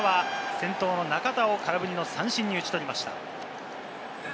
先頭の中田を空振りの三振に打ち取りました。